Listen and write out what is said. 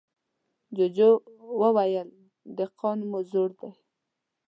جوجو وويل: دهقان مو زوړ دی.